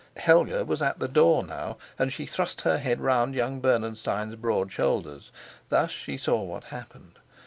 Helga was at the door now, and she thrust her head round young Bernenstein's broad shoulders. Thus she saw what happened.